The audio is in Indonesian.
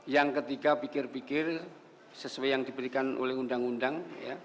yang ketiga pikir pikir sesuai yang diberikan oleh undang undang